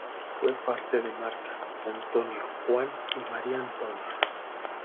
Fue padre de Martha, Antonio, Juan y María Antonia.